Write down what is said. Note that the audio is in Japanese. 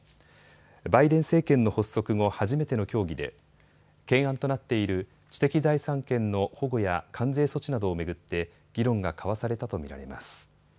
バイデン政権の発足後、初めての協議で懸案となっている知的財産権の保護や関税措置などを巡って議論が交わされたと見られます。